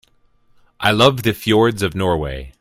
I love the fjords of Norway.